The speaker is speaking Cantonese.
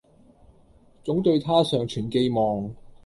總對她尚存寄望